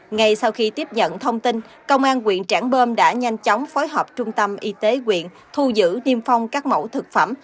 ngay sau khi tiếp nhận thông tin công an quyện trảng bơm đã nhanh chóng phối hợp trung tâm y tế quyện thu giữ niêm phong các mẫu thực phẩm